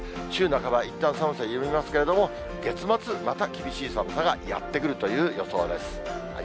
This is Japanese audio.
週半ば、いったん寒さ緩みますけれども、月末、また厳しい寒さがやって来るという予想です。